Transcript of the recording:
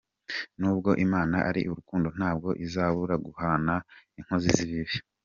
Nubwo Imana ari urukundo ntabwo izabura guhana inkozi z’ibibi.